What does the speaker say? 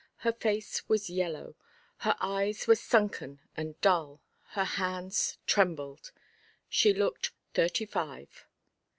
Her face was yellow; her eyes were sunken and dull; her hands trembled. She looked thirty five.